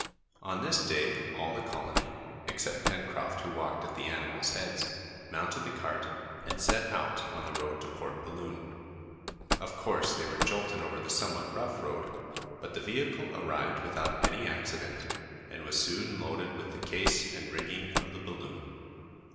On this day all the colony, except Pencroft who walked at the animals' heads, mounted the cart, and set out on the road to Port Balloon. Of course they were jolted over the somewhat rough road, but the vehicle arrived without any accident, and was soon loaded with the case and rigging of the balloon.